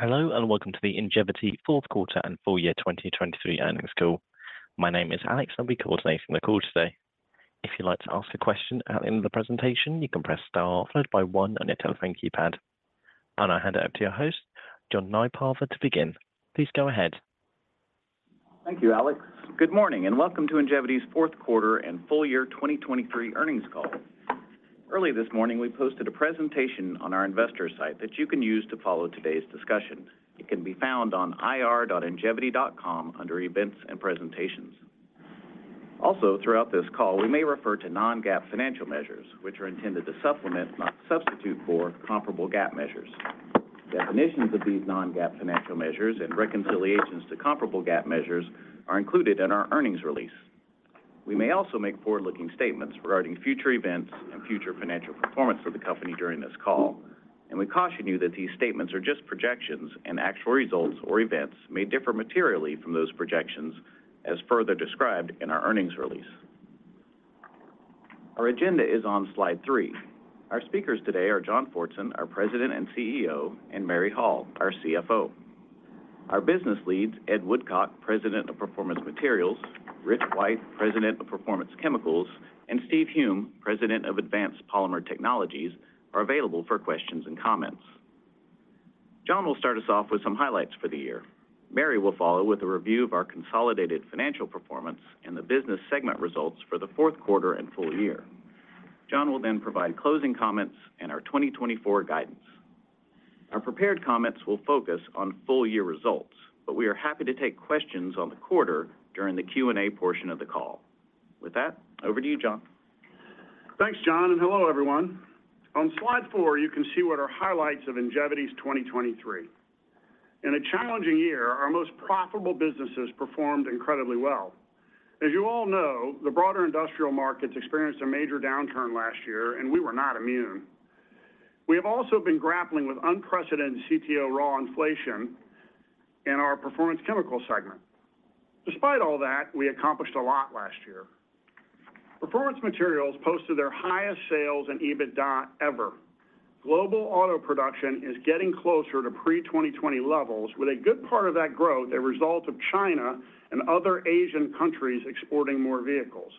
Hello and welcome to the Ingevity fourth quarter and full year 2023 earnings call. My name is Alex and I'll be coordinating the call today. If you'd like to ask a question at the end of the presentation, you can press star followed by one on your telephone keypad. I hand it over to your host, John Nypaver, to begin. Please go ahead. Thank you, Alex. Good morning and welcome to Ingevity's fourth quarter and full year 2023 earnings call. Early this morning we posted a presentation on our investor site that you can use to follow today's discussion. It can be found on ir.ingevity.com under events and presentations. Also, throughout this call we may refer to non-GAAP financial measures, which are intended to supplement, not substitute for, comparable GAAP measures. Definitions of these non-GAAP financial measures and reconciliations to comparable GAAP measures are included in our earnings release. We may also make forward-looking statements regarding future events and future financial performance of the company during this call, and we caution you that these statements are just projections and actual results or events may differ materially from those projections as further described in our earnings release. Our agenda is on slide three. Our speakers today are John Fortson, our President and CEO, and Mary Hall, our CFO. Our business leads, Ed Woodcock, President of Performance Materials, Rich White, President of Performance Chemicals, and Steve Hulme, President of Advanced Polymer Technologies, are available for questions and comments. John will start us off with some highlights for the year. Mary will follow with a review of our consolidated financial performance and the business segment results for the fourth quarter and full year. John will then provide closing comments and our 2024 guidance. Our prepared comments will focus on full year results, but we are happy to take questions on the quarter during the Q&A portion of the call. With that, over to you, John. Thanks, John, and hello, everyone. On slide four you can see what the highlights are of Ingevity's 2023. In a challenging year, our most profitable businesses performed incredibly well. As you all know, the broader industrial markets experienced a major downturn last year and we were not immune. We have also been grappling with unprecedented CTO raw inflation in our Performance Chemicals segment. Despite all that, we accomplished a lot last year. Performance Materials posted their highest sales and EBITDA ever. Global auto production is getting closer to pre-2020 levels, with a good part of that growth a result of China and other Asian countries exporting more vehicles.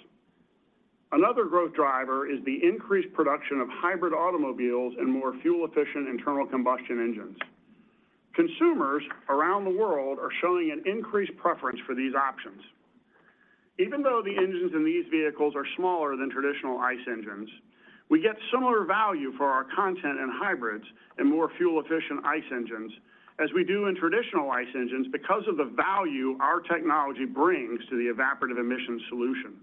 Another growth driver is the increased production of hybrid automobiles and more fuel-efficient internal combustion engines. Consumers around the world are showing an increased preference for these options. Even though the engines in these vehicles are smaller than traditional ICE engines, we get similar value for our content in hybrids and more fuel-efficient ICE engines as we do in traditional ICE engines because of the value our technology brings to the evaporative emissions solution.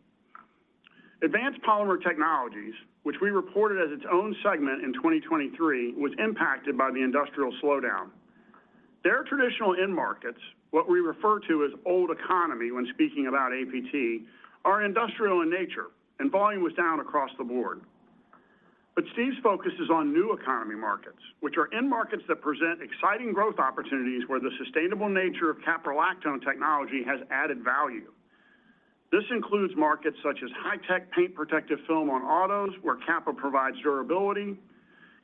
Advanced Polymer Technologies, which we reported as its own segment in 2023, was impacted by the industrial slowdown. Their traditional end markets, what we refer to as old economy when speaking about APT, are industrial in nature and volume was down across the board. But Steve's focus is on new economy markets, which are end markets that present exciting growth opportunities where the sustainable nature of caprolactone technology has added value. This includes markets such as high-tech paint protective film on autos, where Capa provides durability,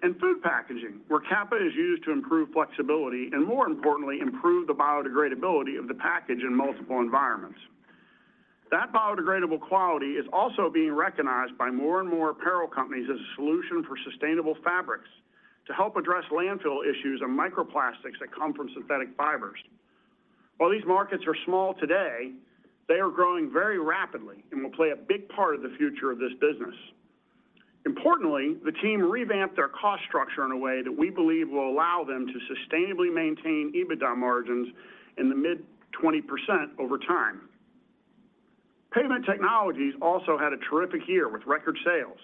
and food packaging, where Capa is used to improve flexibility and, more importantly, improve the biodegradability of the package in multiple environments. That biodegradable quality is also being recognized by more and more apparel companies as a solution for sustainable fabrics to help address landfill issues and microplastics that come from synthetic fibers. While these markets are small today, they are growing very rapidly and will play a big part of the future of this business. Importantly, the team revamped their cost structure in a way that we believe will allow them to sustainably maintain EBITDA margins in the mid-20% over time. Pavement Technologies also had a terrific year with record sales.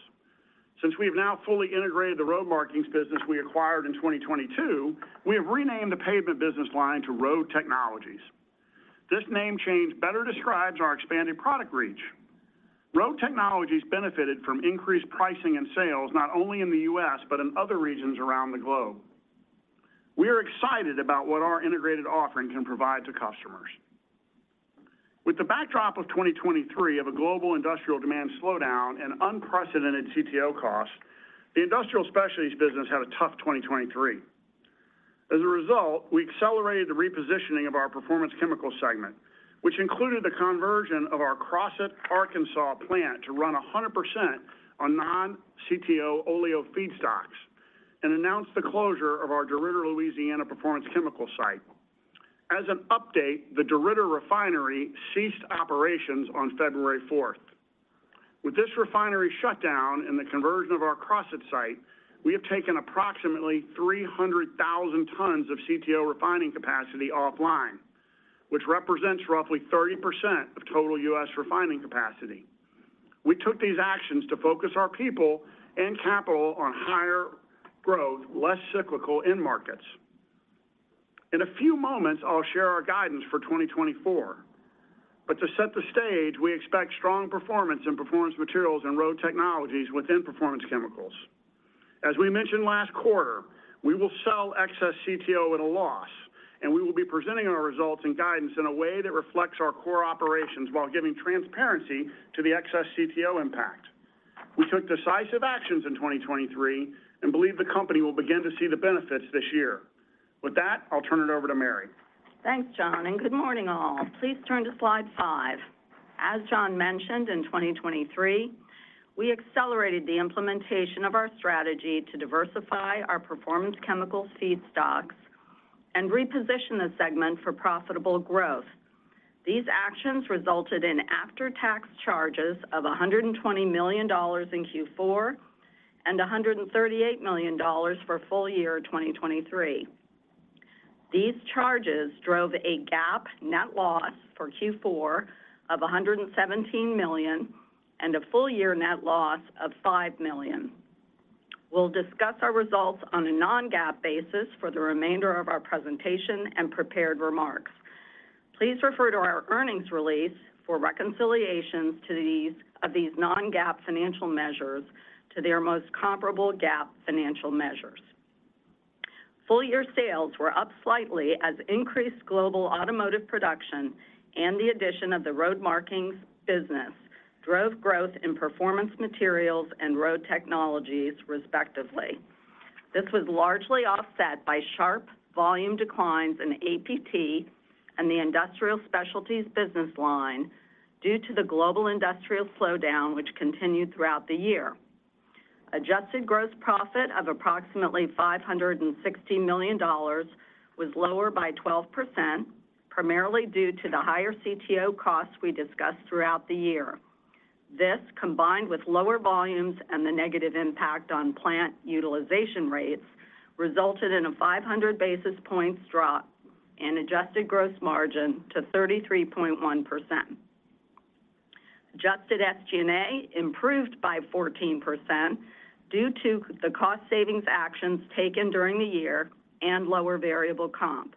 Since we have now fully integrated the road markings business we acquired in 2022, we have renamed the pavement business line to Road Technologies. This name change better describes our expanded product reach. Road Technologies benefited from increased pricing and sales not only in the US but in other regions around the globe. We are excited about what our integrated offering can provide to customers. With the backdrop of 2023 of a global industrial demand slowdown and unprecedented CTO costs, the Industrial Specialties business had a tough 2023. As a result, we accelerated the repositioning of our Performance Chemicals segment, which included the conversion of our Crossett, Arkansas plant to run 100% on non-CTO oleo feedstocks, and announced the closure of our DeRidder, Louisiana, Performance Chemicals site. As an update, the DeRidder refinery ceased operations on 4 February. With this refinery shutdown and the conversion of our Crossett site, we have taken approximately 300,000 tons of CTO refining capacity offline, which represents roughly 30% of total U.S. refining capacity. We took these actions to focus our people and capital on higher growth, less cyclical end markets. In a few moments, I'll share our guidance for 2024. But to set the stage, we expect strong performance in Performance Materials and Road Technologies within Performance Chemicals. As we mentioned last quarter, we will sell excess CTO at a loss, and we will be presenting our results and guidance in a way that reflects our core operations while giving transparency to the excess CTO impact. We took decisive actions in 2023 and believe the company will begin to see the benefits this year. With that, I'll turn it over to Mary. Thanks, John, and good morning all. Please turn to slide five. As John mentioned in 2023, we accelerated the implementation of our strategy to diversify our Performance Chemicals feedstocks and reposition the segment for profitable growth. These actions resulted in after-tax charges of $120 million in Q4 and $138 million for full year 2023. These charges drove a GAAP net loss for Q4 of $117 million and a full year net loss of $5 million. We'll discuss our results on a non-GAAP basis for the remainder of our presentation and prepared remarks. Please refer to our earnings release for reconciliations of these non-GAAP financial measures to their most comparable GAAP financial measures. Full year sales were up slightly as increased global automotive production and the addition of the road markings business drove growth in Performance Materials and Road Technologies, respectively. This was largely offset by sharp volume declines in APT and the Industrial Specialties business line due to the global industrial slowdown, which continued throughout the year. Adjusted gross profit of approximately $560 million was lower by 12%, primarily due to the higher CTO costs we discussed throughout the year. This, combined with lower volumes and the negative impact on plant utilization rates, resulted in a 500 basis points drop in adjusted gross margin to 33.1%. Adjusted SG&A improved by 14% due to the cost savings actions taken during the year and lower variable comp.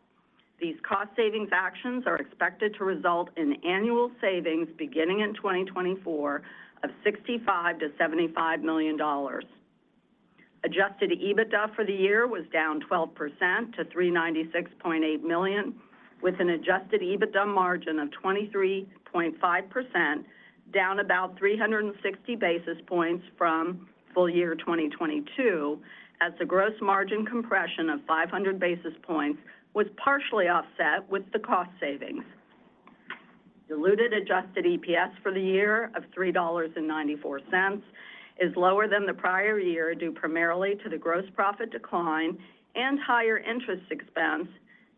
These cost savings actions are expected to result in annual savings beginning in 2024 of $65-$75 million. Adjusted EBITDA for the year was down 12% to $396.8 million, with an adjusted EBITDA margin of 23.5%, down about 360 basis points from full year 2022, as the gross margin compression of 500 basis points was partially offset with the cost savings. Diluted adjusted EPS for the year of $3.94 is lower than the prior year due primarily to the gross profit decline and higher interest expense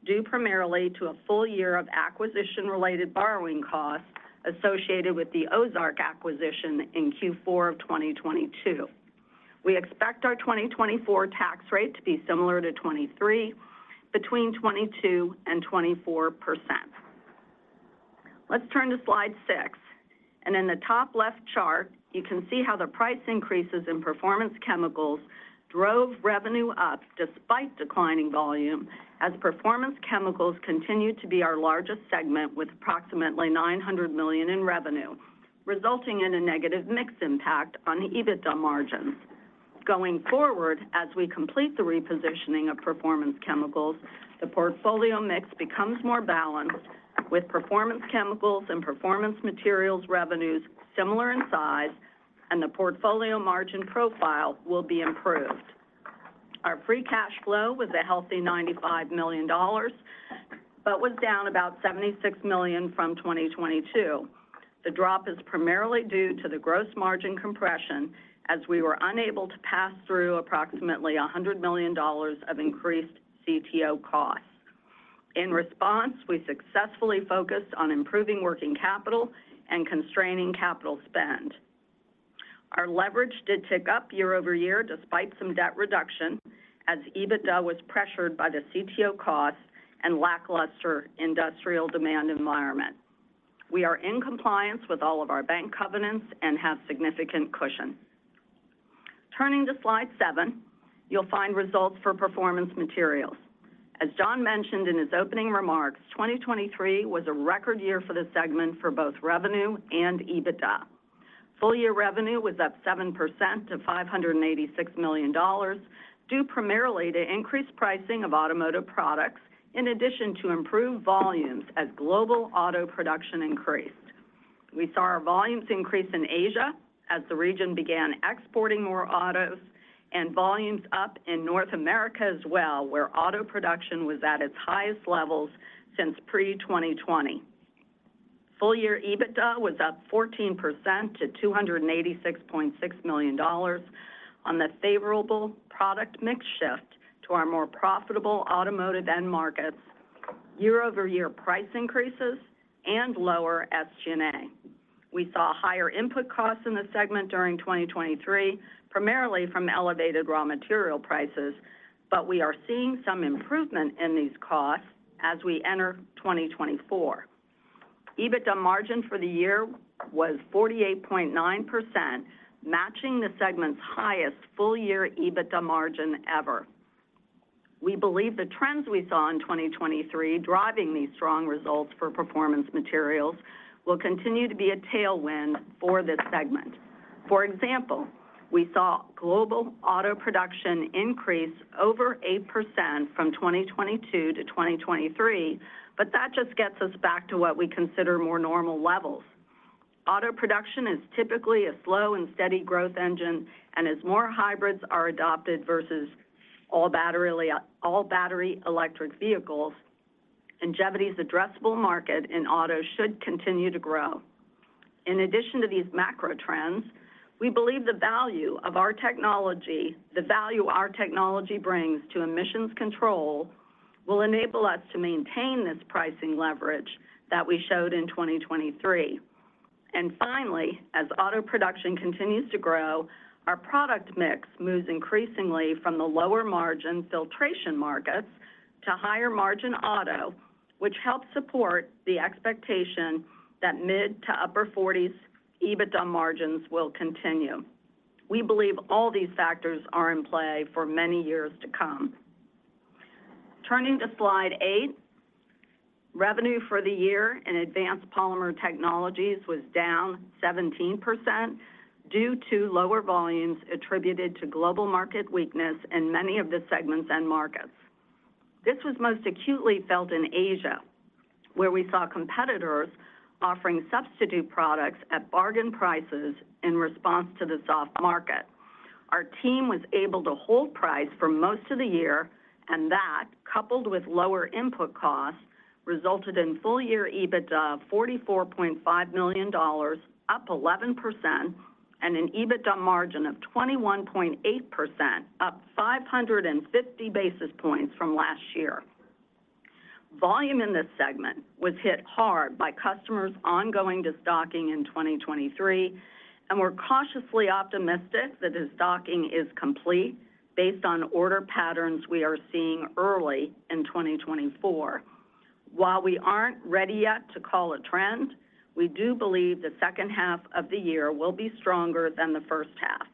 due primarily to a full year of acquisition-related borrowing costs associated with the Ozark acquisition in Q4 of 2022. We expect our 2024 tax rate to be similar to 2023, between 22% and 24%. Let's turn to slide six. In the top left chart, you can see how the price increases in Performance Chemicals drove revenue up despite declining volume as Performance Chemicals continue to be our largest segment with approximately $900 million in revenue, resulting in a negative mix impact on the EBITDA margins. Going forward, as we complete the repositioning of Performance Chemicals, the portfolio mix becomes more balanced with Performance Chemicals and Performance Materials revenues similar in size, and the portfolio margin profile will be improved. Our free cash flow was a healthy $95 million, but was down about $76 million from 2022. The drop is primarily due to the gross margin compression as we were unable to pass through approximately $100 million of increased CTO costs. In response, we successfully focused on improving working capital and constraining capital spend. Our leverage did tick up year-over-year despite some debt reduction as EBITDA was pressured by the CTO costs and lackluster industrial demand environment. We are in compliance with all of our bank covenants and have significant cushion. Turning to slide seven, you'll find results for Performance Materials. As John mentioned in his opening remarks, 2023 was a record year for the segment for both revenue and EBITDA. Full year revenue was up 7% to $586 million due primarily to increased pricing of automotive products in addition to improved volumes as global auto production increased. We saw our volumes increase in Asia as the region began exporting more autos, and volumes up in North America as well where auto production was at its highest levels since pre-2020. Full-year EBITDA was up 14% to $286.6 million on the favorable product mix shift to our more profitable automotive end markets, year-over-year price increases, and lower SG&A. We saw higher input costs in the segment during 2023, primarily from elevated raw material prices, but we are seeing some improvement in these costs as we enter 2024. EBITDA margin for the year was 48.9%, matching the segment's highest full-year EBITDA margin ever. We believe the trends we saw in 2023 driving these strong results for Performance Materials will continue to be a tailwind for this segment. For example, we saw global auto production increase over 8% from 2022 to 2023, but that just gets us back to what we consider more normal levels. Auto production is typically a slow and steady growth engine and as more hybrids are adopted versus all battery electric vehicles, Ingevity's addressable market in auto should continue to grow. In addition to these macro trends, we believe the value of our technology, the value our technology brings to emissions control, will enable us to maintain this pricing leverage that we showed in 2023. And finally, as auto production continues to grow, our product mix moves increasingly from the lower margin filtration markets to higher margin auto, which helps support the expectation that mid- to upper-40s% EBITDA margins will continue. We believe all these factors are in play for many years to come. Turning to slide eight, revenue for the year in advanced polymer technologies was down 17% due to lower volumes attributed to global market weakness in many of the segments and markets. This was most acutely felt in Asia, where we saw competitors offering substitute products at bargain prices in response to the soft market. Our team was able to hold price for most of the year, and that, coupled with lower input costs, resulted in full year EBITDA of $44.5 million, up 11%, and an EBITDA margin of 21.8%, up 550 basis points from last year. Volume in this segment was hit hard by customers ongoing destocking in 2023, and we're cautiously optimistic that the destocking is complete based on order patterns we are seeing early in 2024. While we aren't ready yet to call a trend, we do believe the second half of the year will be stronger than the first half.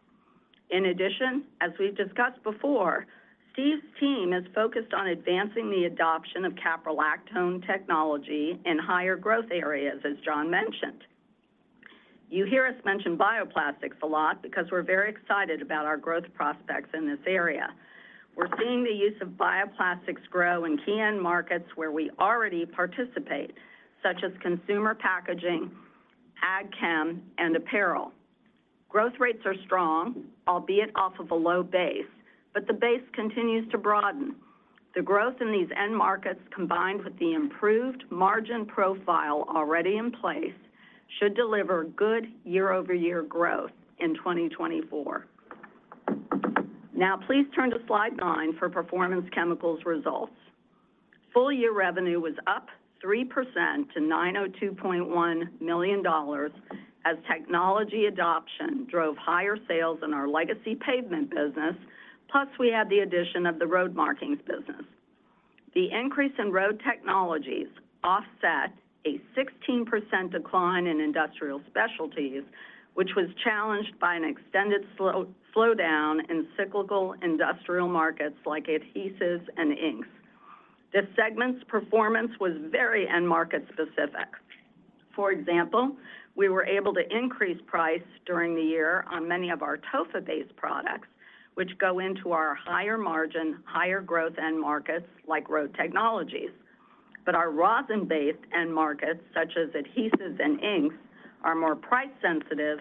In addition, as we've discussed before, Steve's team is focused on advancing the adoption of caprolactone technology in higher growth areas, as John mentioned. You hear us mention bioplastics a lot because we're very excited about our growth prospects in this area. We're seeing the use of bioplastics grow in key end markets where we already participate, such as consumer packaging, ag-chem, and apparel. Growth rates are strong, albeit off of a low base, but the base continues to broaden. The growth in these end markets, combined with the improved margin profile already in place, should deliver good year-over-year growth in 2024. Now, please turn to slide nine for Performance Chemicals results. Full year revenue was up 3% to $902.1 million as technology adoption drove higher sales in our legacy pavement business, plus we had the addition of the road markings business. The increase in Road Technologies offset a 16% decline in Industrial Specialties, which was challenged by an extended slowdown in cyclical industrial markets like adhesives and inks. This segment's performance was very end market specific. For example, we were able to increase price during the year on many of our TOFA-based products, which go into our higher margin, higher growth end markets like road technologies. But our rosin-based end markets, such as adhesives and inks, are more price sensitive,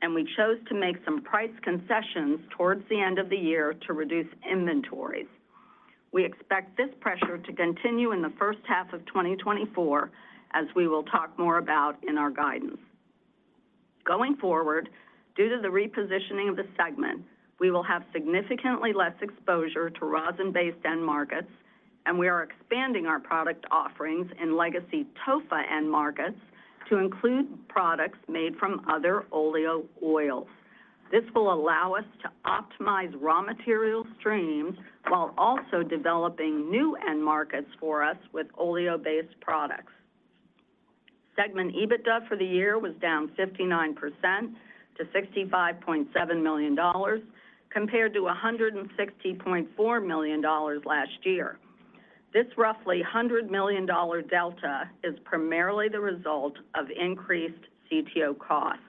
and we chose to make some price concessions toward the end of the year to reduce inventories. We expect this pressure to continue in the first half of 2024, as we will talk more about in our guidance. Going forward, due to the repositioning of the segment, we will have significantly less exposure to rosin-based end markets, and we are expanding our product offerings in legacy TOFA end markets to include products made from other oleo oils. This will allow us to optimize raw material streams while also developing new end markets for us with oleo-based products. Segment EBITDA for the year was down 59% to $65.7 million, compared to $160.4 million last year. This roughly $100 million delta is primarily the result of increased CTO costs.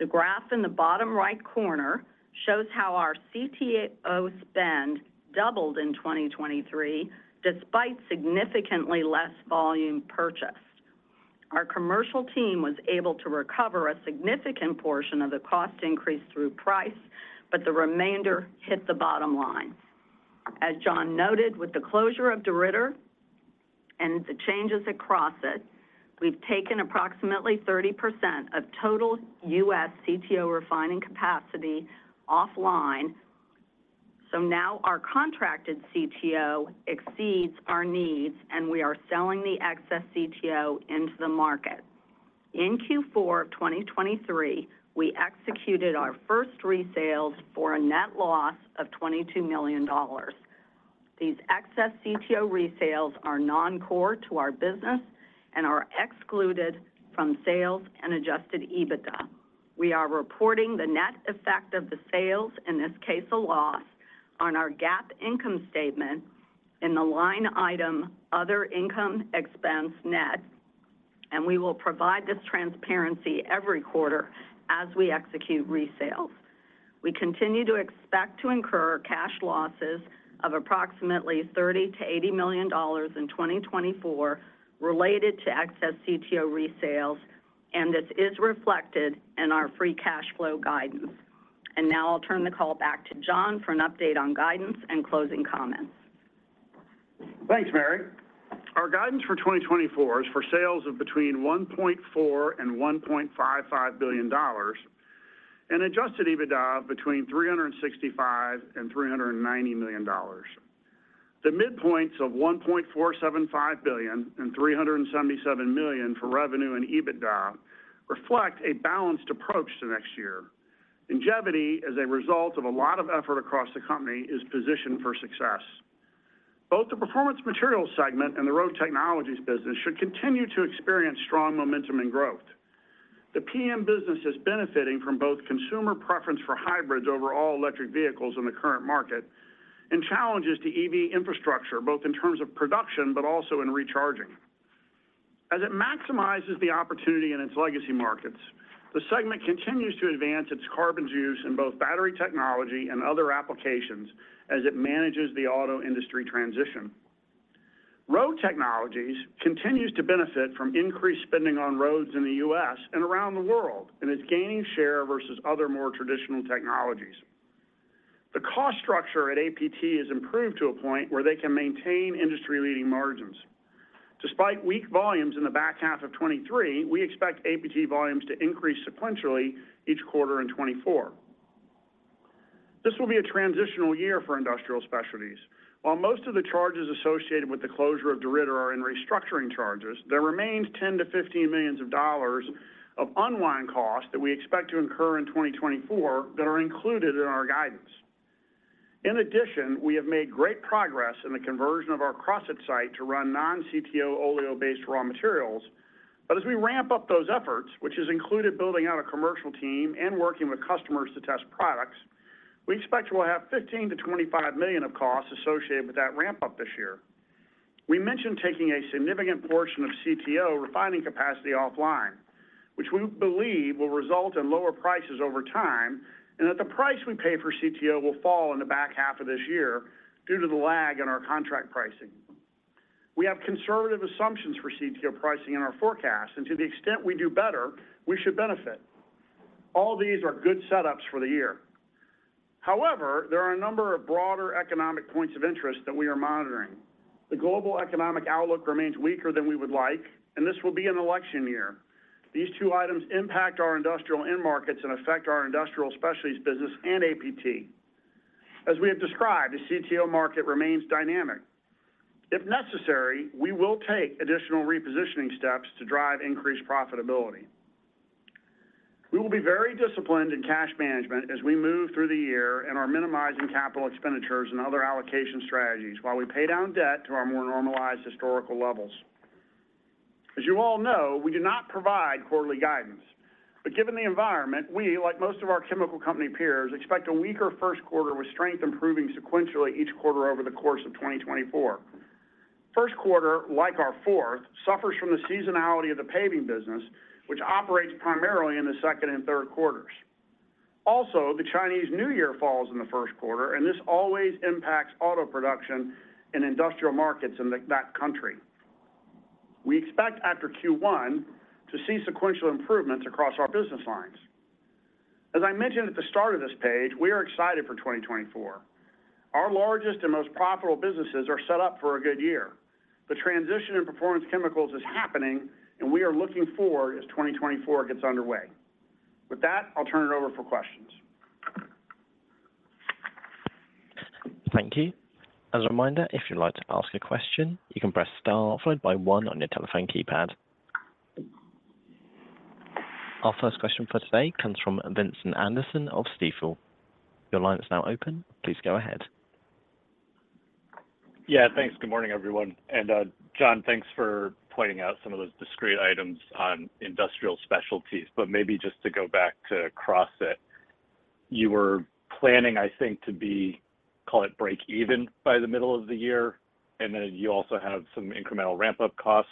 The graph in the bottom right corner shows how our CTO spend doubled in 2023 despite significantly less volume purchased. Our commercial team was able to recover a significant portion of the cost increase through price, but the remainder hit the bottom line. As John noted, with the closure of DeRidder and the changes at Crossett, we've taken approximately 30% of total U.S. CTO refining capacity offline. So now our contracted CTO exceeds our needs, and we are selling the excess CTO into the market. In Q4 of 2023, we executed our first resales for a net loss of $22 million. These excess CTO resales are non-core to our business and are excluded from sales and adjusted EBITDA. We are reporting the net effect of the sales, in this case a loss, on our GAAP income statement in the line item other income (expense), net, and we will provide this transparency every quarter as we execute resales. We continue to expect to incur cash losses of approximately $30-$80 million in 2024 related to excess CTO resales, and this is reflected in our free cash flow guidance. And now I'll turn the call back to John for an update on guidance and closing comments. Thanks, Mary. Our guidance for 2024 is for sales of between $1.4 and $1.55 billion, and adjusted EBITDA between $365 and $390 million. The midpoints of $1.475 billion and $377 million for revenue and EBITDA reflect a balanced approach to next year. Ingevity, as a result of a lot of effort across the company, is positioned for success. Both the Performance Materials segment and the Road Technologies business should continue to experience strong momentum and growth. The PM business is benefiting from both consumer preference for hybrids over all-electric vehicles in the current market, and challenges to EV infrastructure both in terms of production but also in recharging. As it maximizes the opportunity in its legacy markets, the segment continues to advance its carbon use in both battery technology and other applications as it manages the auto industry transition. Road Technologies continues to benefit from increased spending on roads in the U.S. and around the world, and is gaining share versus other more traditional technologies. The cost structure at APT is improved to a point where they can maintain industry-leading margins. Despite weak volumes in the back half of 2023, we expect APT volumes to increase sequentially each quarter in 2024. This will be a transitional year for Industrial Specialties. While most of the charges associated with the closure of DeRidder are in restructuring charges, there remains $10-$15 million of unwind costs that we expect to incur in 2024 that are included in our guidance. In addition, we have made great progress in the conversion of our Crossett site to run non-CTO oleo-based raw materials. But as we ramp up those efforts, which has included building out a commercial team and working with customers to test products, we expect we'll have $15-$25 million of costs associated with that ramp-up this year. We mentioned taking a significant portion of CTO refining capacity offline, which we believe will result in lower prices over time and that the price we pay for CTO will fall in the back half of this year due to the lag in our contract pricing. We have conservative assumptions for CTO pricing in our forecast, and to the extent we do better, we should benefit. All these are good setups for the year. However, there are a number of broader economic points of interest that we are monitoring. The global economic outlook remains weaker than we would like, and this will be an election year. These two items impact our industrial end markets and affect our Industrial Specialties business and APT. As we have described, the CTO market remains dynamic. If necessary, we will take additional repositioning steps to drive increased profitability. We will be very disciplined in cash management as we move through the year and are minimizing capital expenditures and other allocation strategies while we pay down debt to our more normalized historical levels. As you all know, we do not provide quarterly guidance, but given the environment, we, like most of our chemical company peers, expect a weaker first quarter with strength improving sequentially each quarter over the course of 2024. First quarter, like our fourth, suffers from the seasonality of the paving business, which operates primarily in the second and third quarters. Also, the Chinese New Year falls in the first quarter, and this always impacts auto production and industrial markets in that country. We expect after Q1 to see sequential improvements across our business lines. As I mentioned at the start of this page, we are excited for 2024. Our largest and most profitable businesses are set up for a good year. The transition in performance chemicals is happening, and we are looking forward as 2024 gets underway. With that, I'll turn it over for questions. Thank you. As a reminder, if you'd like to ask a question, you can press star followed by one on your telephone keypad. Our first question for today comes from Vincent Anderson of Stifel. Your line is now open. Please go ahead. Yeah, thanks. Good morning, everyone. John, thanks for pointing out some of those discrete items on Industrial Specialties. But maybe just to go back to Crossett, you were planning, I think, to be, call it, break even by the middle of the year, and then you also have some incremental ramp-up costs,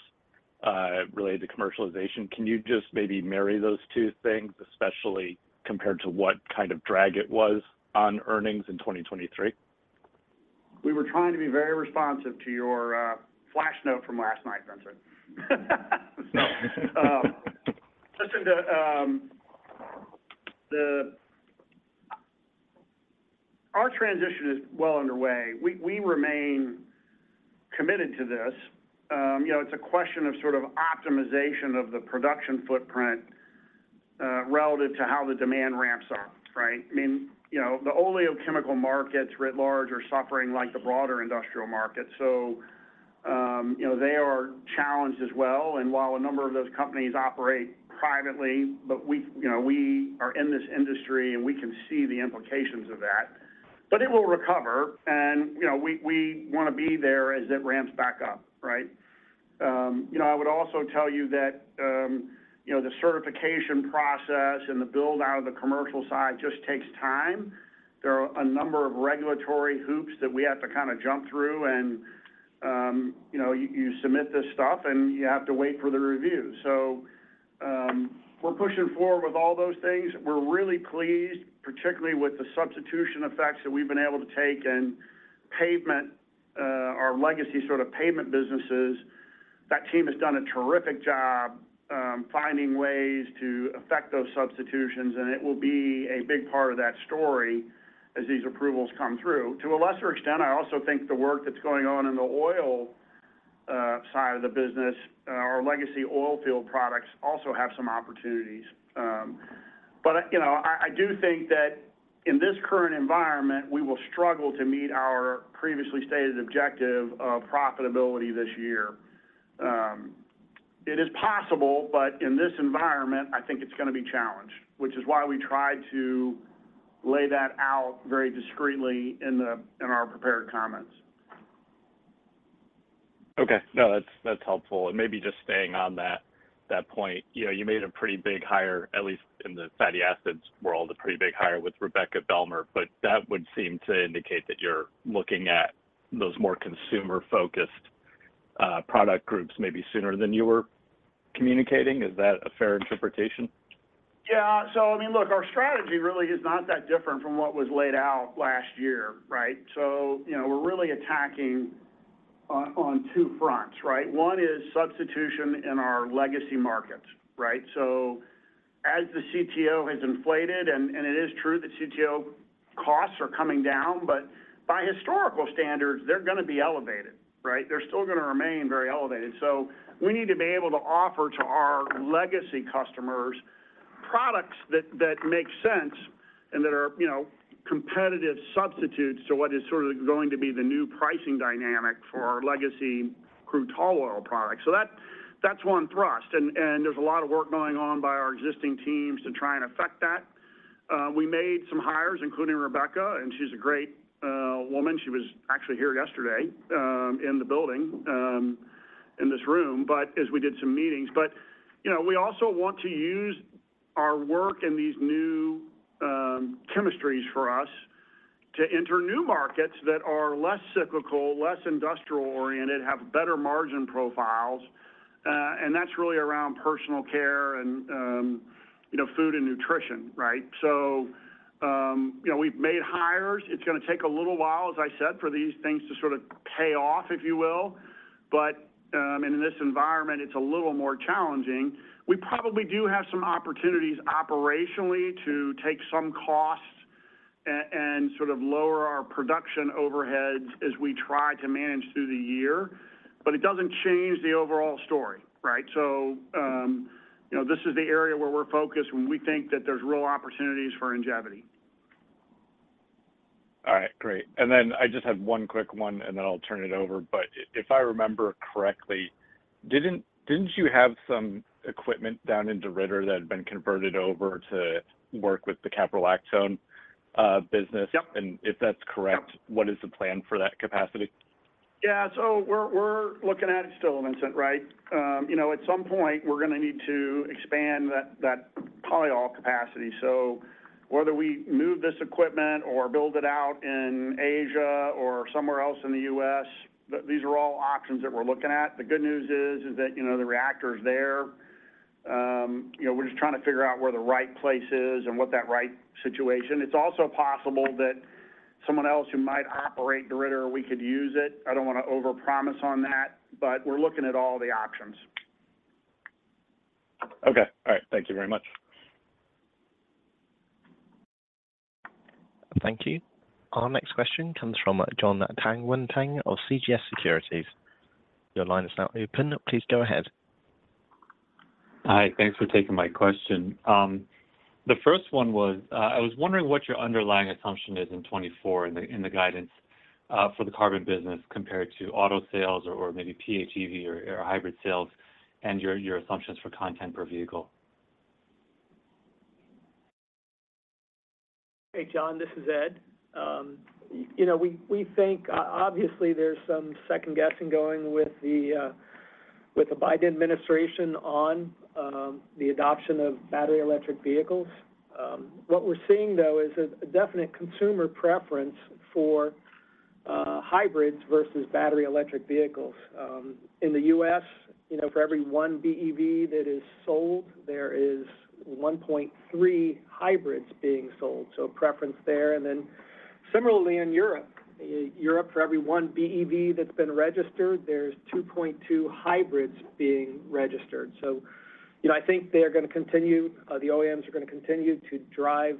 related to commercialization. Can you just maybe marry those two things, especially compared to what kind of drag it was on earnings in 2023? We were trying to be very responsive to your flash note from last night, Vincent. So, listen, our transition is well underway. We remain committed to this. You know, it's a question of sort of optimization of the production footprint, relative to how the demand ramps up, right? I mean, you know, the oleochemical markets writ large are suffering like the broader industrial markets. So, you know, they are challenged as well. And while a number of those companies operate privately, but we, you know, we are in this industry and we can see the implications of that, but it will recover. And, you know, we, we want to be there as it ramps back up, right? You know, I would also tell you that, you know, the certification process and the build-out of the commercial side just takes time. There are a number of regulatory hoops that we have to kind of jump through. And, you know, you, you submit this stuff, and you have to wait for the review. So, we're pushing forward with all those things. We're really pleased, particularly with the substitution effects that we've been able to take in pavement, our legacy sort of pavement businesses. That team has done a terrific job, finding ways to affect those substitutions. It will be a big part of that story as these approvals come through. To a lesser extent, I also think the work that's going on in the oleo side of the business, our legacy oilfield products also have some opportunities. But I, you know, I, I do think that in this current environment, we will struggle to meet our previously stated objective of profitability this year. It is possible, but in this environment, I think it's going to be challenged, which is why we tried to lay that out very discreetly in our prepared comments. Okay. No, that's, that's helpful. And maybe just staying on that, that point, you know, you made a pretty big hire, at least in the fatty acids world, a pretty big hire with Rebecca Belmer. But that would seem to indicate that you're looking at those more consumer-focused, product groups maybe sooner than you were communicating. Is that a fair interpretation? Yeah. So, I mean, look, our strategy really is not that different from what was laid out last year, right? So, you know, we're really attacking on, on two fronts, right? One is substitution in our legacy markets, right? So as the CTO has inflated, and, and it is true that CTO costs are coming down, but by historical standards, they're going to be elevated, right? They're still going to remain very elevated. So we need to be able to offer to our legacy customers products that, that make sense and that are, you know, competitive substitutes to what is sort of going to be the new pricing dynamic for our legacy crude tall oil products. So that, that's one thrust. And, and there's a lot of work going on by our existing teams to try and affect that. We made some hires, including Rebecca, and she's a great, woman. She was actually here yesterday, in the building, in this room, but as we did some meetings. But, you know, we also want to use our work in these new, chemistries for us to enter new markets that are less cyclical, less industrial-oriented, have better margin profiles. And that's really around personal care and, you know, food and nutrition, right? So, you know, we've made hires. It's going to take a little while, as I said, for these things to sort of pay off, if you will. But in this environment, it's a little more challenging. We probably do have some opportunities operationally to take some costs and sort of lower our production overheads as we try to manage through the year. But it doesn't change the overall story, right? So, you know, this is the area where we're focused when we think that there's real opportunities for Ingevity. All right. Great. And then I just had one quick one, and then I'll turn it over. But if I remember correctly, didn't you have some equipment down in DeRidder that had been converted over to work with the caprolactone business? And if that's correct, what is the plan for that capacity? Yeah. So we're looking at it still, Vincent, right? You know, at some point, we're going to need to expand that polyol capacity. So whether we move this equipment or build it out in Asia or somewhere else in the U.S., these are all options that we're looking at. The good news is that, you know, the reactor's there. You know, we're just trying to figure out where the right place is and what that right situation. It's also possible that someone else who might operate DeRidder, we could use it. I don't want to overpromise on that, but we're looking at all the options. Okay. All right. Thank you very much. Thank you. Our next question comes from Jon Tanwanteng of CJS Securities. Your line is now open. Please go ahead. Hi. Thanks for taking my question. The first one was, I was wondering what your underlying assumption is in 2024 in the, in the guidance, for the carbon business compared to auto sales or, or maybe PHEV or, or hybrid sales and your, your assumptions for content per vehicle. Hey, Jon. This is Ed. You know, we, we think, obviously, there's some second-guessing going with the, with the Biden administration on, the adoption of battery electric vehicles. What we're seeing, though, is a definite consumer preference for, hybrids versus battery electric vehicles. In the U.S., you know, for every 1 BEV that is sold, there is 1.3 hybrids being sold. So a preference there. And then similarly in Europe, Europe, for every 1 BEV that's been registered, there's 2.2 hybrids being registered. So, you know, I think they're going to continue. The OEMs are going to continue to drive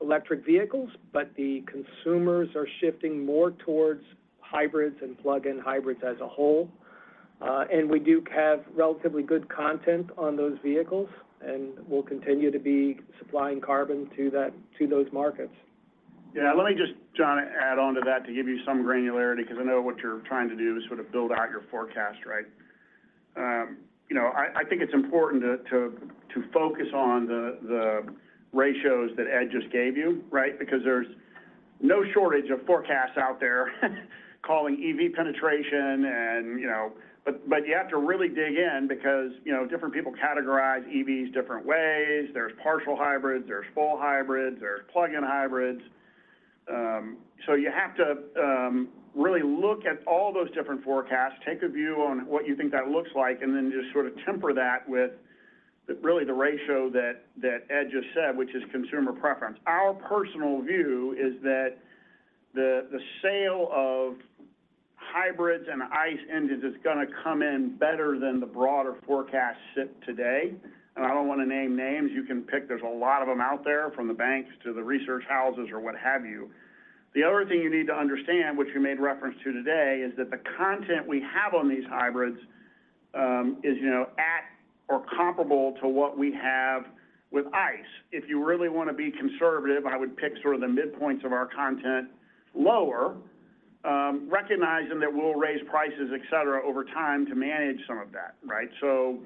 electric vehicles, but the consumers are shifting more towards hybrids and plug-in hybrids as a whole. And we do have relatively good content on those vehicles, and we'll continue to be supplying carbon to those markets. Yeah. Let me just, Jon, add on to that to give you some granularity because I know what you're trying to do is sort of build out your forecast, right? You know, I, I think it's important to focus on the ratios that Ed just gave you, right? Because there's no shortage of forecasts out there calling EV penetration and, you know, but you have to really dig in because, you know, different people categorize EVs different ways. There's partial hybrids. There's full hybrids. There's plug-in hybrids. So you have to really look at all those different forecasts, take a view on what you think that looks like, and then just sort of temper that with really the ratio that that Ed just said, which is consumer preference. Our personal view is that the sale of hybrids and ICE engines is going to come in better than the broader forecasts as of today. And I don't want to name names. You can pick. There's a lot of them out there from the banks to the research houses or what have you. The other thing you need to understand, which you made reference to today, is that the content we have on these hybrids is, you know, at or comparable to what we have with ICE. If you really want to be conservative, I would pick sort of the midpoints of our guidance lower, recognizing that we'll raise prices, etc., over time to manage some of that, right? So,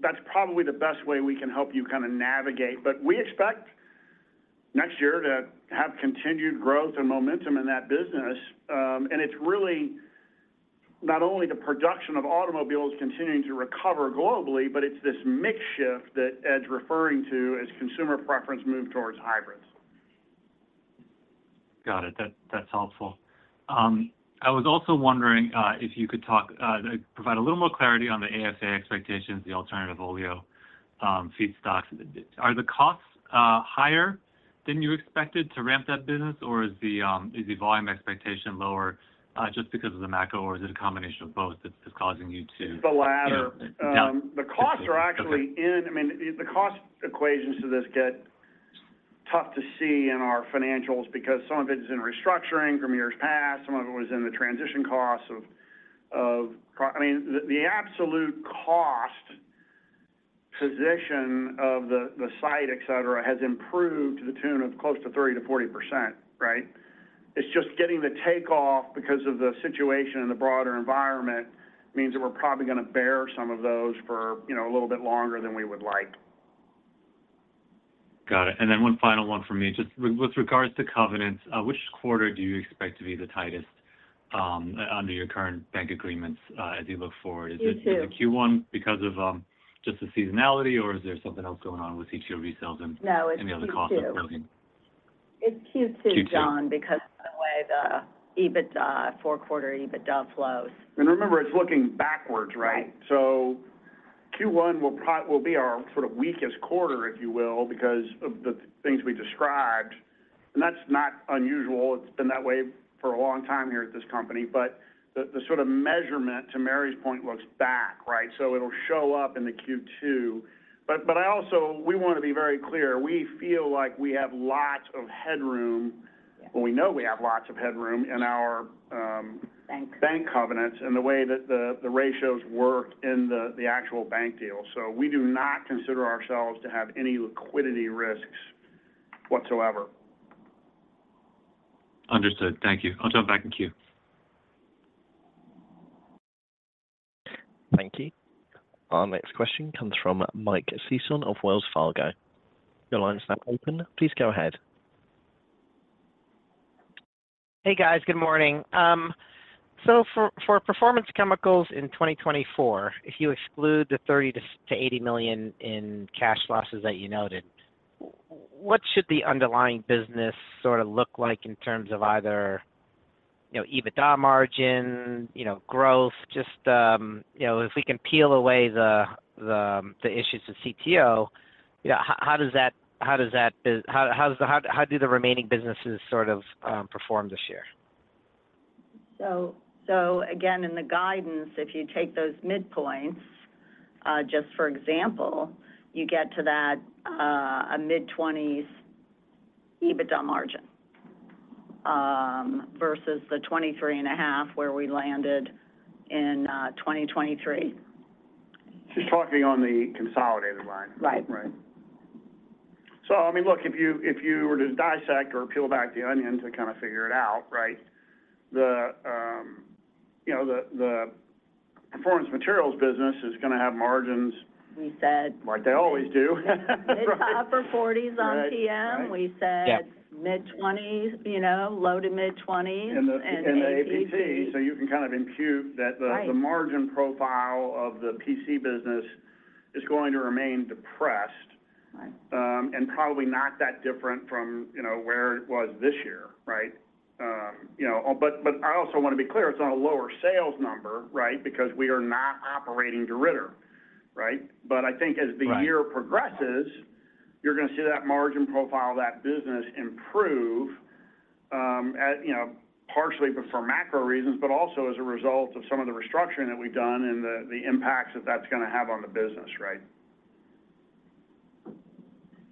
that's probably the best way we can help you kind of navigate. But we expect next year to have continued growth and momentum in that business. And it's really not only the production of automobiles continuing to recover globally, but it's this mix shift that Ed's referring to as consumer preference move towards hybrids. Got it. That, that's helpful. I was also wondering, if you could provide a little more clarity on the AFA expectations, the alternative oleo feedstocks. Are the costs higher than you expected to ramp that business, or is the volume expectation lower, just because of the macro, or is it a combination of both that's causing you to? It's the latter. The costs are actually in I mean, the cost equations to this get tough to see in our financials because some of it is in restructuring from years past. Some of it was in the transition costs of, of I mean, the, the absolute cost position of the, the site, etc., has improved to the tune of close to 30%-40%, right? It's just getting the takeoff because of the situation in the broader environment means that we're probably going to bear some of those for, you know, a little bit longer than we would like. Got it. And then one final one from me. Just with regards to covenants, which quarter do you expect to be the tightest, under your current bank agreements, as you look forward? Is it Q1 because of just the seasonality, or is there something else going on with CTO resales and any other costs of closing? No, it's Q2. It's Q2, Jon, because of the way the EBITDA, four-quarter EBITDA flows. And remember, it's looking backwards, right? So Q1 will probably be our sort of weakest quarter, if you will, because of the things we described. And that's not unusual. It's been that way for a long time here at this company. But the sort of measurement, to Mary's point, looks back, right? So it'll show up in the Q2. But I also we want to be very clear. We feel like we have lots of headroom well, we know we have lots of headroom in our bank covenants and the way that the ratios work in the actual bank deal. So we do not consider ourselves to have any liquidity risks whatsoever. Understood. Thank you. I'll jump back in queue. Thank you. Our next question comes from Mike Sison of Wells Fargo. Your line is now open. Please go ahead. Hey, guys. Good morning. So for Performance Chemicals in 2024, if you exclude the $30 million-$80 million in cash losses that you noted, what should the underlying business sort of look like in terms of either, you know, EBITDA margin, you know, growth? Just, you know, if we can peel away the issues with CTO, you know, how does the remaining businesses sort of perform this year? So, so again, in the guidance, if you take those midpoints, just for example, you get to that, a mid-20s EBITDA margin, versus the 23.5 where we landed in 2023. She's talking on the consolidated line. Right. Right. So, I mean, look, if you if you were to dissect or peel back the onion to kind of figure it out, right, the, you know, the, the Performance Materials business is going to have margins like they always do. It's the upper 40s on PM. We said mid-20s, you know, low to mid-20s. And the, and the APT. So you can kind of impute that the, the margin profile of the PC business is going to remain depressed, and probably not that different from, you know, where it was this year, right? You know, but, but I also want to be clear. It's on a lower sales number, right, because we are not operating DeRidder, right? But I think as the year progresses, you're going to see that margin profile of that business improve, at, you know, partially for macro reasons, but also as a result of some of the restructuring that we've done and the impacts that that's going to have on the business, right?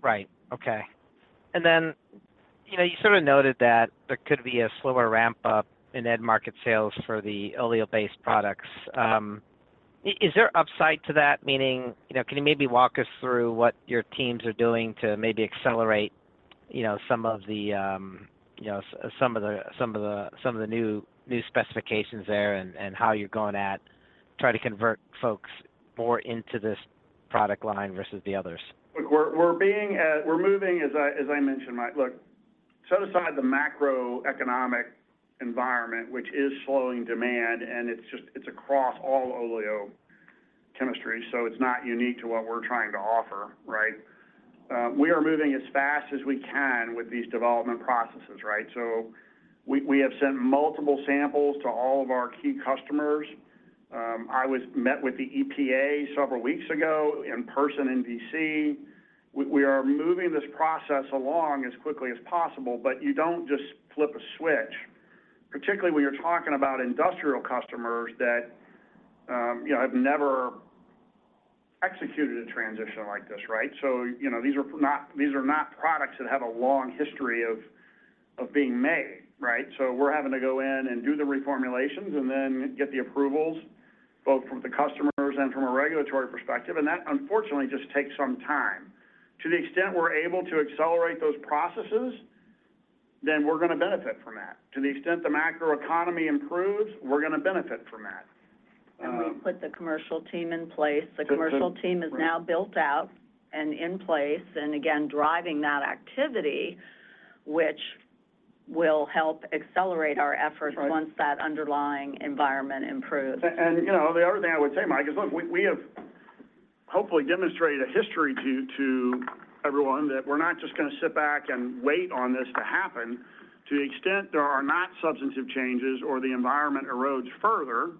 Right. Okay. And then, you know, you sort of noted that there could be a slower ramp-up in end market sales for the oleo-based products. Is there upside to that, meaning, you know, can you maybe walk us through what your teams are doing to maybe accelerate, you know, some of the new specifications there and how you're going at trying to convert folks more into this product line versus the others? Look, we're moving, as I mentioned, Mike. Look, set aside the macroeconomic environment, which is slowing demand, and it's just across all oleochemistry. So it's not unique to what we're trying to offer, right? We are moving as fast as we can with these development processes, right? So we have sent multiple samples to all of our key customers. I met with the EPA several weeks ago in person in D.C. We are moving this process along as quickly as possible, but you don't just flip a switch, particularly when you're talking about industrial customers that, you know, have never executed a transition like this, right? So, you know, these are not products that have a long history of being made, right? We're having to go in and do the reformulations and then get the approvals both from the customers and from a regulatory perspective. That, unfortunately, just takes some time. To the extent we're able to accelerate those processes, then we're going to benefit from that. To the extent the macroeconomy improves, we're going to benefit from that. We put the commercial team in place. The commercial team is now built out and in place and, again, driving that activity, which will help accelerate our efforts once that underlying environment improves. You know, the other thing I would say, Mike, is, look, we, we have hopefully demonstrated a history to, to everyone that we're not just going to sit back and wait on this to happen. To the extent there are not substantive changes or the environment erodes further,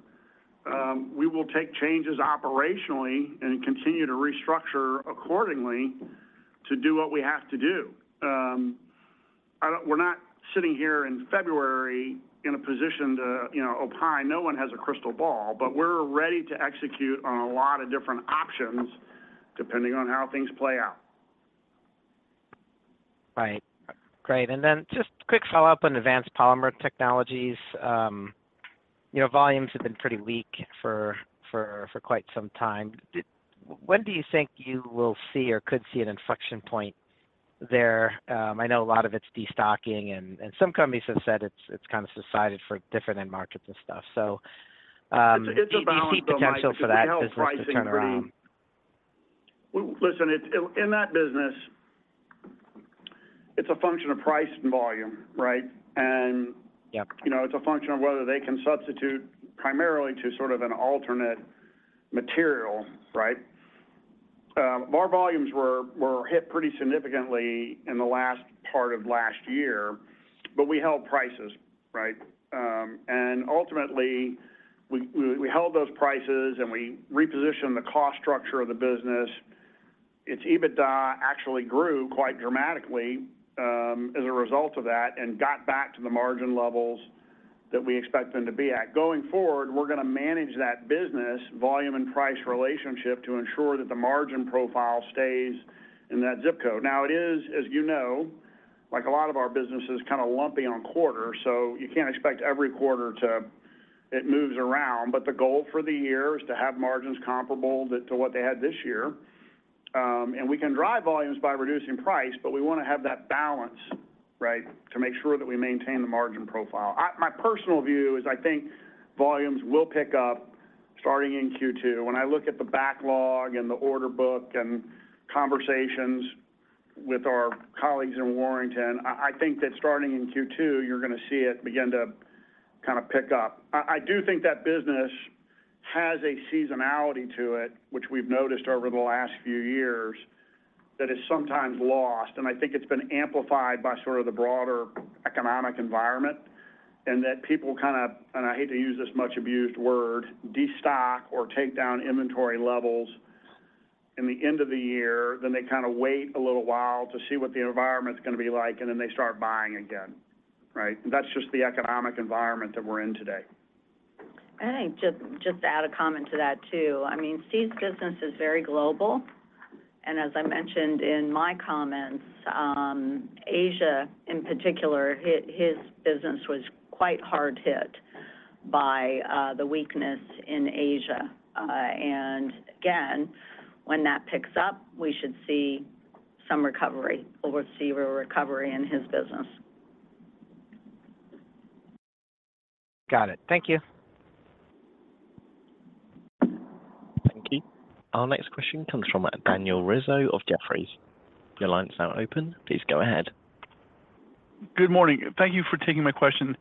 we will take changes operationally and continue to restructure accordingly to do what we have to do. I don't, we're not sitting here in February in a position to, you know, opine. No one has a crystal ball, but we're ready to execute on a lot of different options depending on how things play out. Right. Great. And then just quick follow-up on Advanced Polymer Technologies. You know, volumes have been pretty weak for quite some time. So when do you think you will see or could see an inflection point there? I know a lot of it's destocking, and some companies have said it's kind of subsided for different end markets and stuff. So, do you see potential for that business to turn around? Well, listen, it's in that business. It's a function of price and volume, right? And, you know, it's a function of whether they can substitute primarily to sort of an alternate material, right? Our volumes were hit pretty significantly in the last part of last year, but we held prices, right? And ultimately, we held those prices, and we repositioned the cost structure of the business. Its EBITDA actually grew quite dramatically as a result of that and got back to the margin levels that we expect them to be at. Going forward, we're going to manage that business volume and price relationship to ensure that the margin profile stays in that zip code. Now, it is, as you know, like a lot of our businesses, kind of lumpy on quarters, so you can't expect every quarter to it moves around. But the goal for the year is to have margins comparable to, to what they had this year. We can drive volumes by reducing price, but we want to have that balance, right, to make sure that we maintain the margin profile. I, my personal view is I think volumes will pick up starting in Q2. When I look at the backlog and the order book and conversations with our colleagues in Warrington, I, I think that starting in Q2, you're going to see it begin to kind of pick up. I, I do think that business has a seasonality to it, which we've noticed over the last few years, that is sometimes lost. And I think it's been amplified by sort of the broader economic environment and that people kind of and I hate to use this much abused word, destock or take down inventory levels in the end of the year. Then they kind of wait a little while to see what the environment's going to be like, and then they start buying again, right? And that's just the economic environment that we're in today. I think just, just to add a comment to that too, I mean, Steve's business is very global. And as I mentioned in my comments, Asia in particular, his, his business was quite hard hit by, the weakness in Asia. And again, when that picks up, we should see some recovery. We'll see a recovery in his business. Got it. Thank you. Thank you. Our next question comes from Daniel Rizzo of Jefferies. Your line is now open. Please go ahead. Good morning. Thank you for taking my question.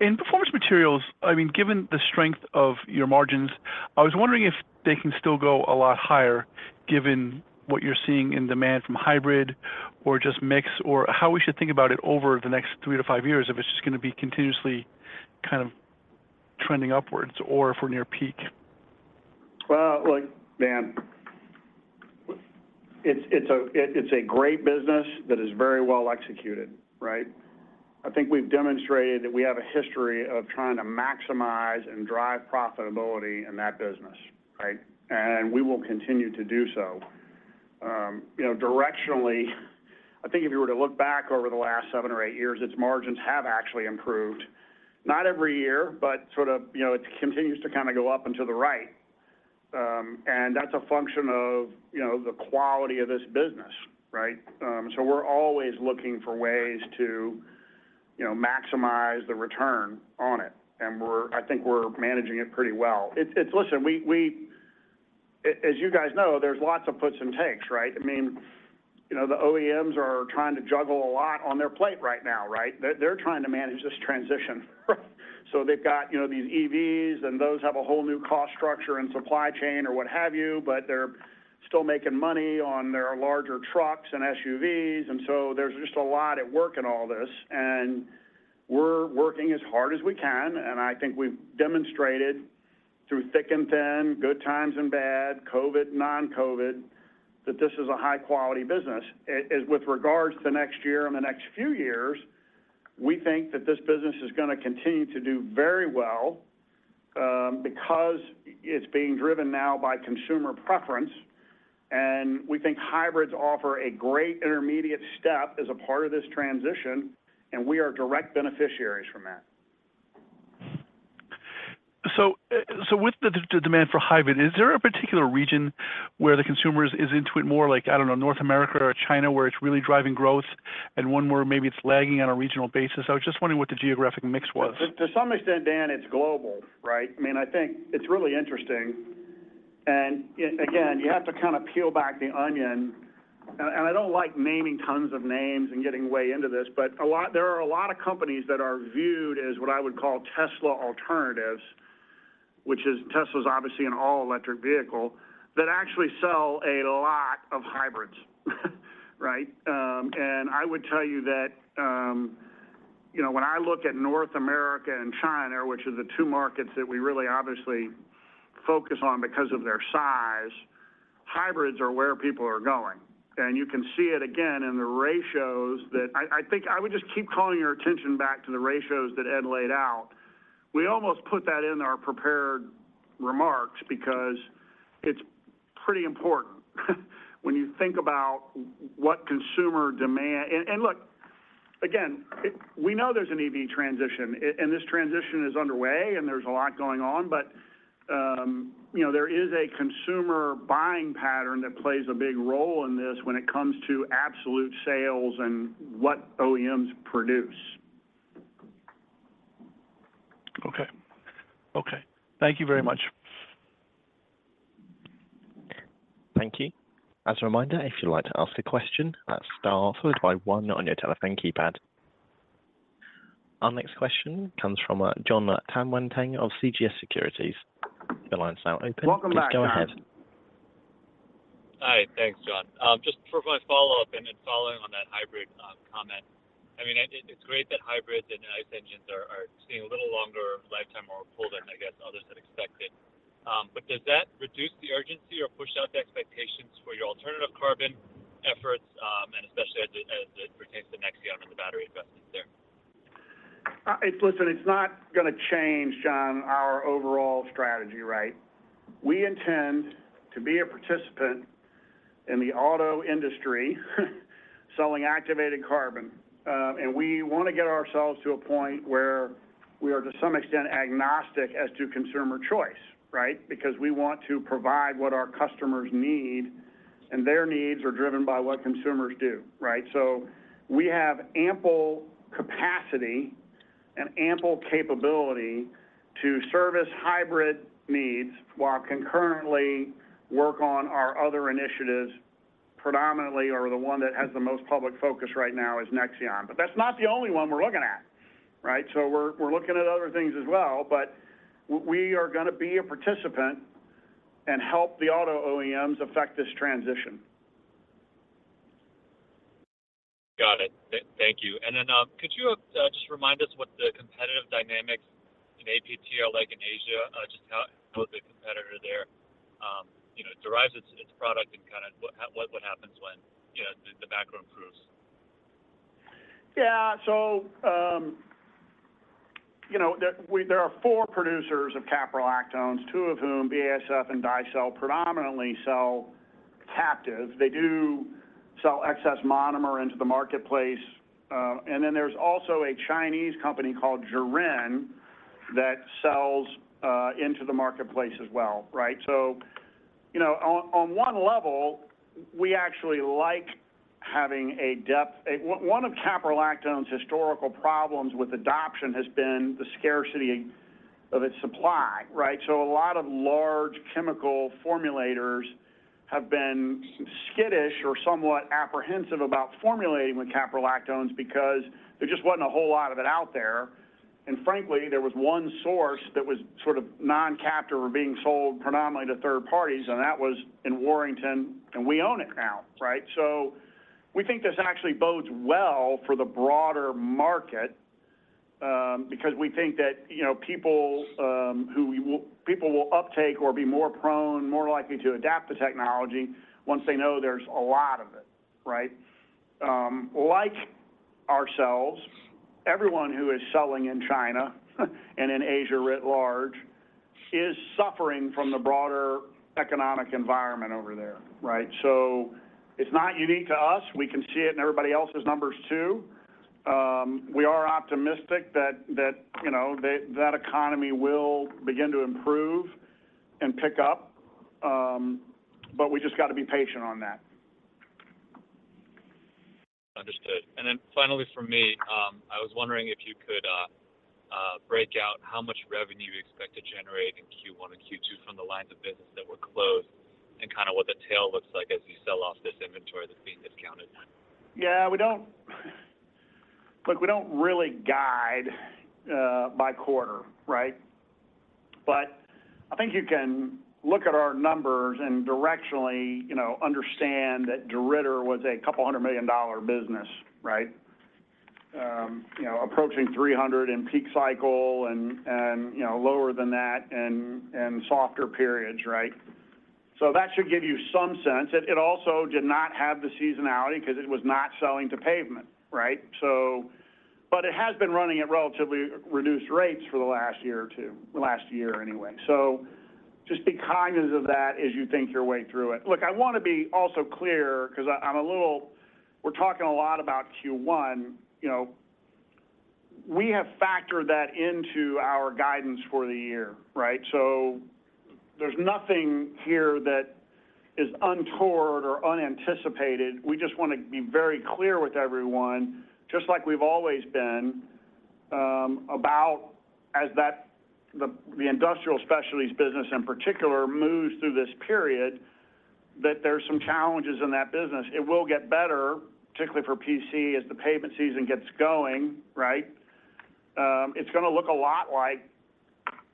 In Performance Materials, I mean, given the strength of your margins, I was wondering if they can still go a lot higher given what you're seeing in demand from hybrid or just mix or how we should think about it over the next three to five years if it's just going to be continuously kind of trending upwards or if we're near peak. Well, look, man, it's a great business that is very well executed, right? I think we've demonstrated that we have a history of trying to maximize and drive profitability in that business, right? And we will continue to do so. You know, directionally, I think if you were to look back over the last seven or eight years, its margins have actually improved. Not every year, but sort of, you know, it continues to kind of go up and to the right. That's a function of, you know, the quality of this business, right? So we're always looking for ways to, you know, maximize the return on it. And I think we're managing it pretty well. It's, listen, as you guys know, there's lots of puts and takes, right? I mean, you know, the OEMs are trying to juggle a lot on their plate right now, right? They're trying to manage this transition. So they've got, you know, these EVs, and those have a whole new cost structure and supply chain or what have you, but they're still making money on their larger trucks and SUVs. And so there's just a lot at work in all this. And we're working as hard as we can. I think we've demonstrated through thick and thin, good times and bad, COVID, non-COVID, that this is a high-quality business. As with regards to next year and the next few years, we think that this business is going to continue to do very well, because it's being driven now by consumer preference. And we think hybrids offer a great intermediate step as a part of this transition, and we are direct beneficiaries from that. So with the demand for hybrid, is there a particular region where the consumers is into it more, like, I don't know, North America or China where it's really driving growth and one where maybe it's lagging on a regional basis? I was just wondering what the geographic mix was. To some extent, Dan, it's global, right? I mean, I think it's really interesting. Again, you have to kind of peel back the onion. I don't like naming tons of names and getting way into this, but a lot there are a lot of companies that are viewed as what I would call Tesla alternatives, which is Tesla's obviously an all-electric vehicle, that actually sell a lot of hybrids, right? I would tell you that, you know, when I look at North America and China, which are the two markets that we really obviously focus on because of their size, hybrids are where people are going. You can see it again in the ratios that I think I would just keep calling your attention back to the ratios that Ed laid out. We almost put that in our prepared remarks because it's pretty important when you think about what consumer demand and, and look, again, we know there's an EV transition, and this transition is underway, and there's a lot going on. But, you know, there is a consumer buying pattern that plays a big role in this when it comes to absolute sales and what OEMs produce. Okay. Okay. Thank you very much. Thank you. As a reminder, if you'd like to ask a question, that's star followed by one on your telephone keypad. Our next question comes from Jonathan Tanwanteng of CJS Securities. Your line is now open. Please go ahead. Hi. Thanks, John. Just for my follow-up and following on that hybrid comment, I mean, it's great that hybrids and ICE engines are seeing a little longer lifetime or hold than, I guess, others had expected. But does that reduce the urgency or push out the expectations for your alternative carbon efforts, and especially as it pertains to Nexeon and the battery investments there? It's listen, it's not going to change, Jon, our overall strategy, right? We intend to be a participant in the auto industry selling activated carbon. And we want to get ourselves to a point where we are to some extent agnostic as to consumer choice, right, because we want to provide what our customers need, and their needs are driven by what consumers do, right? So we have ample capacity and ample capability to service hybrid needs while concurrently work on our other initiatives, predominantly or the one that has the most public focus right now is Nexeon. But that's not the only one we're looking at, right? So we're, we're looking at other things as well, but we, we are going to be a participant and help the auto OEMs affect this transition. Got it. Thank you. And then, could you, just remind us what the competitive dynamics in APT are like in Asia, just how, how is the competitor there, you know, derives its, its product and kind of what, what, what happens when, you know, the, the macro improves? Yeah. So, you know, there are four producers of caprolactones, two of whom BASF and Daicel predominantly sell captive. They do sell excess monomer into the marketplace. And then there's also a Chinese company called Juren that sells, into the marketplace as well, right? So, you know, on, on one level, we actually like having a depth one of caprolactone's historical problems with adoption has been the scarcity of its supply, right? So a lot of large chemical formulators have been skittish or somewhat apprehensive about formulating with caprolactones because there just wasn't a whole lot of it out there. And frankly, there was one source that was sort of non-captive or being sold predominantly to third parties, and that was in Warrington, and we own it now, right? So we think this actually bodes well for the broader market, because we think that, you know, people, who will people will uptake or be more prone, more likely to adapt the technology once they know there's a lot of it, right? Like ourselves, everyone who is selling in China and in Asia writ large is suffering from the broader economic environment over there, right? So it's not unique to us. We can see it in everybody else's numbers too. We are optimistic that, you know, that economy will begin to improve and pick up, but we just got to be patient on that. Understood. And then finally for me, I was wondering if you could break out how much revenue you expect to generate in Q1 and Q2 from the lines of business that were closed and kind of what the tail looks like as you sell off this inventory that's being discounted. Yeah. We don't look, we don't really guide by quarter, right? But I think you can look at our numbers and directionally, you know, understand that DeRidder was a couple hundred million-dollar business, right, you know, approaching $300 million in peak cycle and, you know, lower than that and softer periods, right? So that should give you some sense. It also did not have the seasonality because it was not selling to pavement, right? But it has been running at relatively reduced rates for the last year or two, last year anyway. So just keep that in mind as you think your way through it. Look, I want to be also clear because we're talking a lot about Q1. You know, we have factored that into our guidance for the year, right? So there's nothing here that is untoward or unanticipated. We just want to be very clear with everyone, just like we've always been, about the Industrial Specialties business in particular as it moves through this period, that there's some challenges in that business. It will get better, particularly for PC as the pavement season gets going, right? It's going to look a lot like,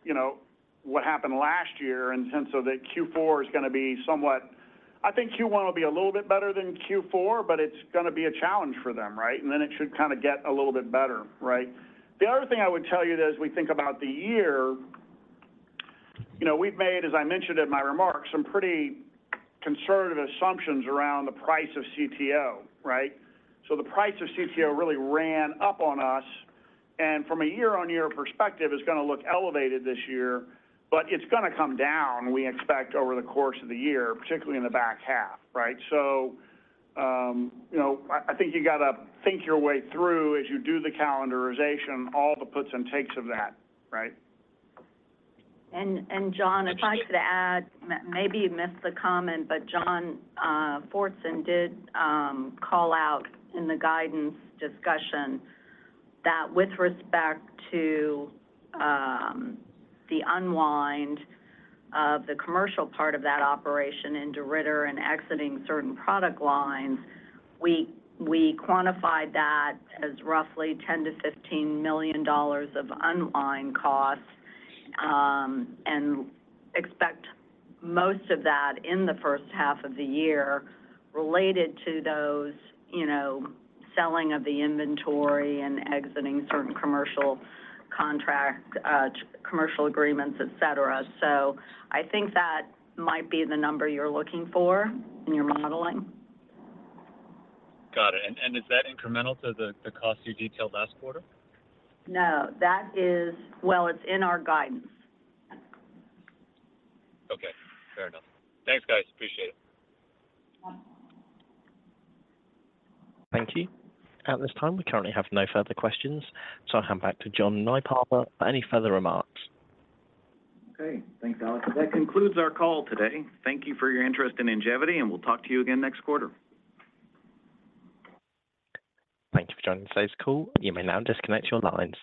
you know, what happened last year in the sense of that Q4 is going to be somewhat, I think Q1 will be a little bit better than Q4, but it's going to be a challenge for them, right? And then it should kind of get a little bit better, right? The other thing I would tell you though, as we think about the year, you know, we've made, as I mentioned in my remarks, some pretty conservative assumptions around the price of CTO, right? So the price of CTO really ran up on us. And from a year-on-year perspective, it's going to look elevated this year, but it's going to come down, we expect, over the course of the year, particularly in the back half, right? So, you know, I think you got to think your way through as you do the calendarization, all the puts and takes of that, right? And Jon, if I could add, maybe you missed the comment, but John Fortson did call out in the guidance discussion that with respect to the unwind of the commercial part of that operation in DeRidder and exiting certain product lines, we quantified that as roughly $10-$15 million of unwind cost, and expect most of that in the first half of the year related to those, you know, selling of the inventory and exiting certain commercial contract, commercial agreements, etc. So I think that might be the number you're looking for in your modeling. Got it. And is that incremental to the cost you detailed last quarter? No. That is, well, it's in our guidance. Okay. Fair enough. Thanks, guys. Appreciate it. Thank you. At this time, we currently have no further questions. So I'll hand back to John Nypaver for any further remarks. Okay. Thanks, Alex. That concludes our call today. Thank you for your interest in Ingevity, and we'll talk to you again next quarter. Thank you for joining today's call. You may now disconnect your lines.